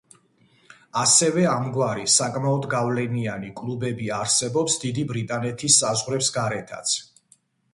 ასევე ამგვარი, საკმაოდ გავლენიანი, კლუბები არსებობს დიდი ბრიტანეთის საზღვრებს გარეთაც.